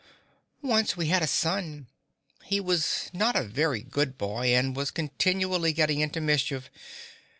Once we had a son. He was not a very good boy and was continually getting into mischief.